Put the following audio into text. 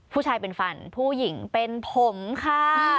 ผู้ชายเป็นฟันผู้หญิงเป็นผมค่ะ